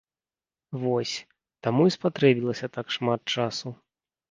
Вось, таму і спатрэбілася так шмат часу.